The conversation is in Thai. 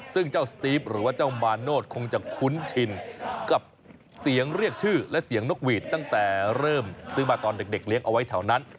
ซึ่งเจ้าสตีฟหรือว่าเจ้ามาโนธคงจะคุ้นชินกับเสียงเรียกชื่อและเสียงนกหวีดตั้งแต่เริ่มซื้อมาตอนเด็กเลี้ยงเอาไว้แถวนั้น